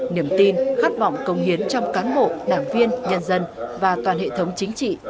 niềm tin khát vọng cống hiến trong cán bộ đảng viên nhân dân và toàn hệ thống chính trị